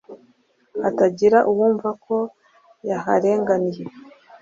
hatagira uwumva ko yaharenganiye.